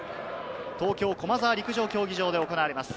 東京・駒沢陸上競技場で行われます。